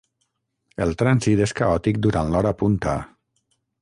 El trànsit és caòtic durant l'hora punta.